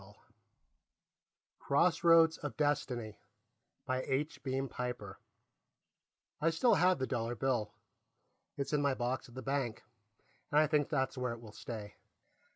CROSSROADS OF DESTINY I still have the dollar bill. It's in my box at the bank, and I think that's where it will stay.